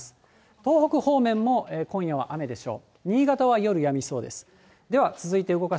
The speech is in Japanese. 東北方面も今夜は雨でしょう。